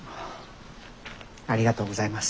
ありがとうございます。